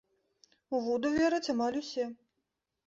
У вуду вераць амаль усе.